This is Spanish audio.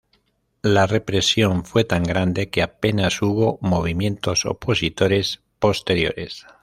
La represión fue tan grande que apenas hubo movimientos opositores posteriores.